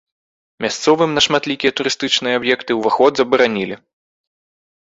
Мясцовым на шматлікія турыстычныя аб'екты ўваход забаранілі.